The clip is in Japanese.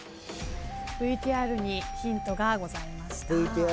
ＶＴＲにヒントがございました。